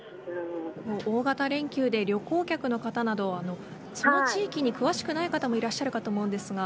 大型連休で旅行客の方などその地域に詳しくない方もいらっしゃるかと思うんですが。